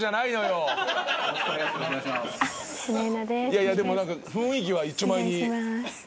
いやいやでも雰囲気はいっちょ前に。